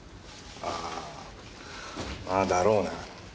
ああまあだろうな。